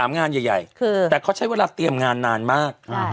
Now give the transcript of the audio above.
งานใหญ่แต่เขาใช้เวลาเตรียมงานนานมาก